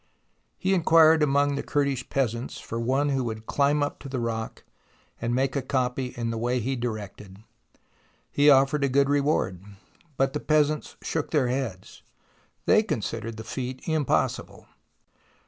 He inquired among the Kurdish peasants for one who would climb up to the rock and make a copy in the way he directed. He offered a good reward, but the peasants shook their heads. They considered the feat impossible.